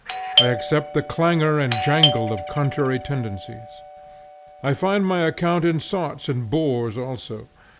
I accept the clangor and jangle of contrary tendencies. I find my account in sots and bores also.